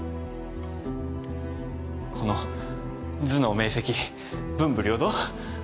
この頭脳明晰文武両道。